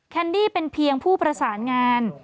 แนดี้เป็นเพียงผู้ประสานงาน